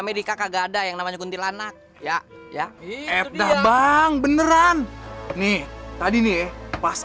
amerika kagak ada yang namanya kuntilanak ya ya eh udah bang beneran nih tadi nih pas